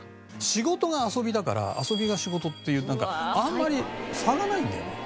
仕事が遊びだから遊びが仕事っていうあんまり差がないんだよね。